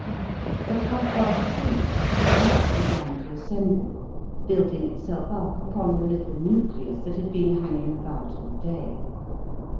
At half past three the crowd began to assemble, building itself up upon the little nucleus that had been hanging about all day.